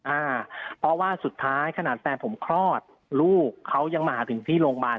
อ่าเพราะว่าสุดท้ายขนาดแฟนผมคลอดลูกเขายังมาถึงที่โรงพยาบาล